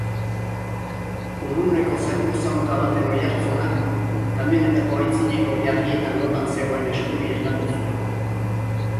Urruneko zakur zaunka baten oihartzunak kamionetako aitzineko jargietan lotan zegoen Scully esnatu zuen.